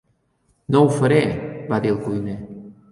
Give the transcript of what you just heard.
"No ho faré", va dir el cuiner.